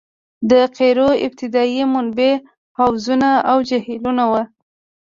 د قیرو ابتدايي منبع حوضونه او جهیلونه وو